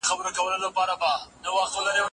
د ساینس په برخه کي پرمختګ سوی دی.